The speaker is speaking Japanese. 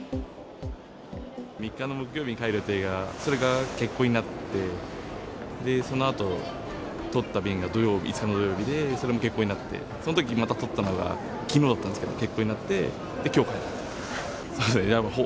３日の木曜日に帰る予定が、それが欠航になって、そのあと、取った便が土曜日、５日の土曜日で、それも欠航になって、そのときまた取ったのが、きのうだったんですけど、欠航になって、で、きょう帰る。